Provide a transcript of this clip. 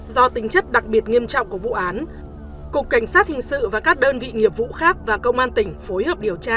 do tính chất đặc biệt nghiêm trọng của vụ án cục cảnh sát hình sự và các đơn vị nghiệp vụ khác và công an tỉnh phối hợp điều tra